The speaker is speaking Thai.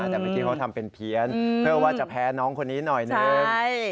แต่เมื่อกี้เขาทำเป็นเพี้ยนเพื่อว่าจะแพ้น้องคนนี้หน่อยหนึ่ง